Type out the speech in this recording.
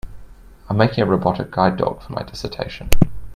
I'm making a robotic guide dog for my dissertation.